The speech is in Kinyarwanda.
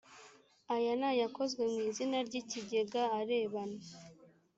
aya n aya yakozwe mu izina ry ikigega arebana